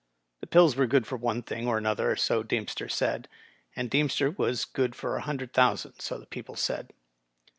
The pills were good for one thing or another^ so Deemster said; and Deemster was good for a hun* dred thousand, so the people said.